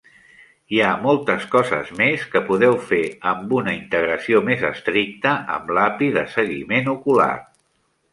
Hi ha moltes coses més que podeu fer amb una integració més estricta amb l'API de seguiment ocular.